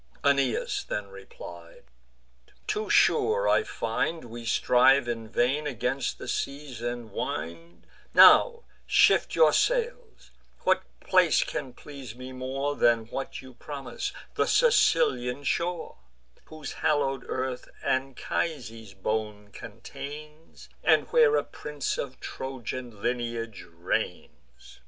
Aeneas then replied: "Too sure I find We strive in vain against the seas and wind: Now shift your sails; what place can please me more Than what you promise, the Sicilian shore, Whose hallow'd earth Anchises' bones contains, And where a prince of Trojan lineage reigns?"